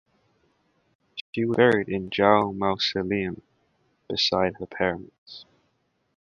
She was buried in Zhao Mausoleum beside her parents.